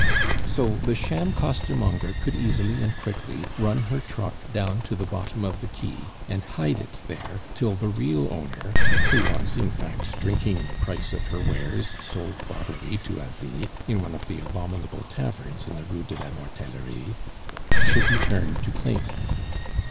So the sham costermonger could easily and quickly run her truck down to the bottom of the quay, and hide it there till the real owner who was, in fact, drinking the price of her wares, sold bodily to Asie, in one of the abominable taverns in the Rue de la Mortellerie should return to claim it.